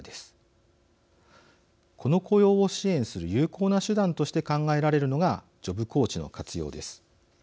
この雇用を支援する有効な手段として考えられるのがジョブコーチの活用です。